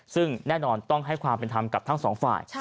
ซึ่งแน่นอนต้องให้ความเป็นธรรมกับทั้งสองฝ่าย